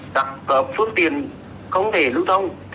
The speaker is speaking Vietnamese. đặt cập xuống tiền không thể lưu thông